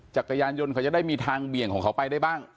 จักรยานยนต์เขาจะได้มีทางเบี่ยงของเขาไปได้บ้าง